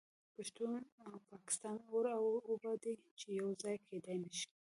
پښتون او پاکستان اور او اوبه دي چې یو ځای کیدای نشي